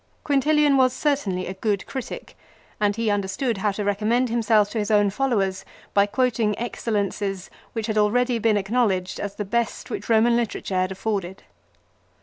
Quintilian was certainly a good critic ; and he under stood how to recommend himself to his own followers by quoting excellences which had already been acknowledged as the best which Eoman literature had afforded.